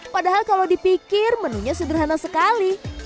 padahal kalau dipikir menunya sederhana sekali